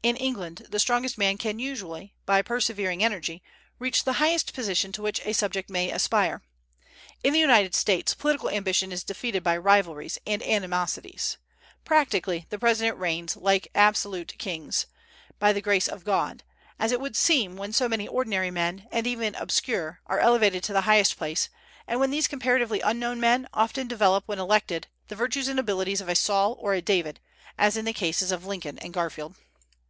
In England the strongest man can usually, by persevering energy, reach the highest position to which a subject may aspire. In the United States, political ambition is defeated by rivalries and animosities. Practically the President reigns, like absolute kings, "by the grace of God," as it would seem when so many ordinary men, and even obscure, are elevated to the highest place, and when these comparatively unknown men often develop when elected the virtues and abilities of a Saul or a David, as in the cases of Lincoln and Garfield.